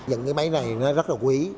những cái máy này nó rất là quý